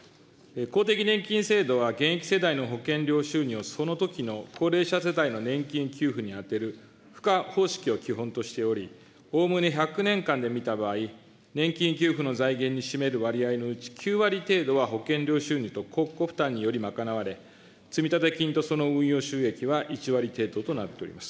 公的年金制度は現役世代の保険料収入をそのときの高齢者世代の年金給付に充てる賦課方式を基本としており、おおむね１００年間で見た場合、年金給付の財源に占める割合のうち９割程度は保険料収入と国庫負担により賄われ、積立金とその運用収益は１割程度となっております。